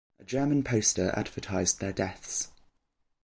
A German poster advertised their deaths.